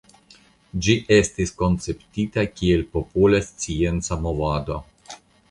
Ĝi estis konceptita kiel popola scienca movado.